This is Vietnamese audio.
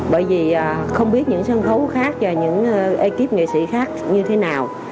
bởi vì không biết những sân khấu khác và những ekip nghệ sĩ khác như thế nào